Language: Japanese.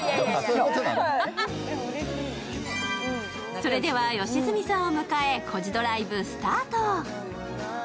それでは、吉住さんを迎え、「コジドライブ」スタート。